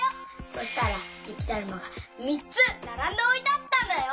そしたらゆきだるまがみっつならんでおいてあったんだよ。